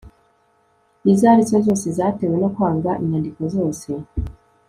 izo ari zo zose zatewe no kwanga inyandiko zose